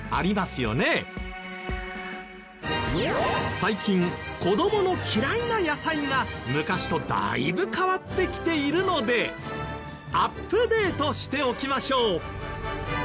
最近子どもの嫌いな野菜が昔とだいぶ変わってきているのでアップデートしておきましょう。